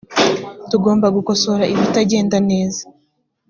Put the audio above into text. tugomba gukosora ibitagenda neza.